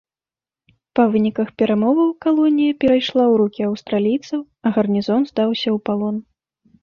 Па выніках перамоваў калонія перайшла ў рукі аўстралійцаў, а гарнізон здаўся ў палон.